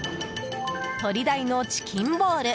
鳥大のチキンボール